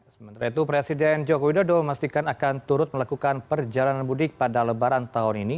sementara itu presiden joko widodo memastikan akan turut melakukan perjalanan mudik pada lebaran tahun ini